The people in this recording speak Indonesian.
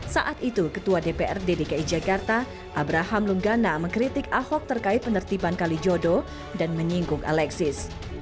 saat itu ketua dprd dki jakarta abraham lunggana mengkritik ahok terkait penertiban kalijodo dan menyinggung alexis